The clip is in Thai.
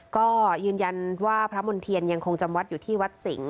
ก็ยืนยันว่าพระมณ์เทียนยังคงจำวัดอยู่ที่วัดสิงห